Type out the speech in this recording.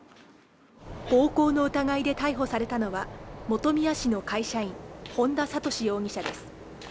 暴行の疑いで逮捕されたのは本宮市の会社員本田智容疑者です